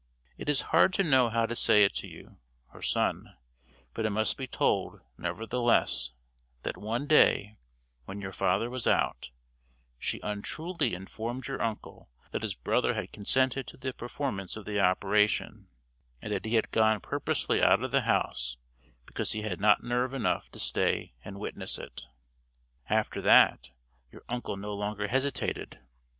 It is hard to know how to say it to you, her son, but it must be told, nevertheless, that one day, when your father was out, she untruly informed your uncle that his brother had consented to the performance of the operation, and that he had gone purposely out of the house because he had not nerve enough to stay and witness it. After that, your uncle no longer hesitated.